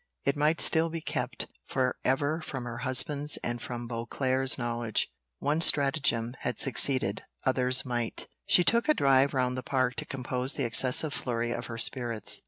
It might still be kept for ever from her husband's and from Beauclerc's knowledge. One stratagem had succeeded others might. She took a drive round the Park to compose the excessive flurry of her spirits.